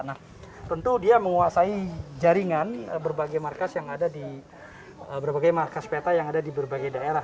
nah tentu dia menguasai jaringan berbagai markas yang ada di berbagai markas peta yang ada di berbagai daerah